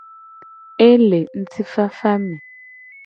E le ngtifafa me.